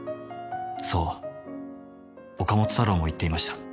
そう岡本太郎も言っていました。